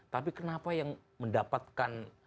tapi kenapa yang mendapatkan